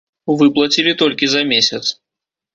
Выплацілі толькі за месяц.